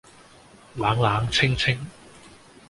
冷冷清清，